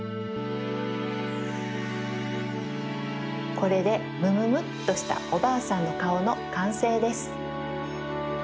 これでむむむっとしたおばあさんのかおのかんせいです。